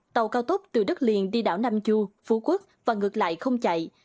tàu cao tốc từ đất liền đi đảo nam chu phú quốc và ngược lại không chạy